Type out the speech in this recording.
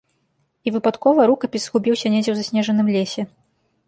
І выпадкова рукапіс згубіўся недзе ў заснежаным лесе.